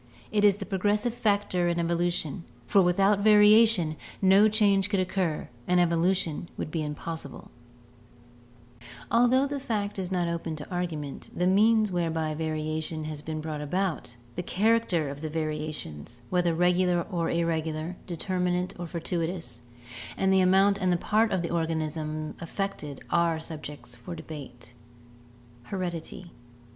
It is the progressive factor in evolution, for without variation no change could occur and evolution would be impossible. ioo ORGANIC EVOLUTION Although the fact is not open to argument, the means whereby variation has been brought about, the character of the variations, whether regular or irregular, determinate or fortuitous, and the amount and the part of the organism affected are subjects for debate. Heredity.